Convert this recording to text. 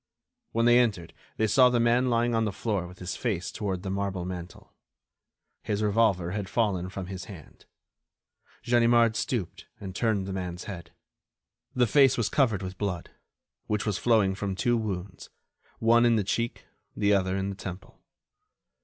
When they entered they saw the man lying on the floor with his face toward the marble mantel. His revolver had fallen from his hand. Ganimard stooped and turned the man's head. The face was covered with blood, which was flowing from two wounds, one in the cheek, the other in the temple.